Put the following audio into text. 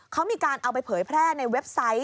เขามีการเอาไปเผยแพร่ในเว็บไซต์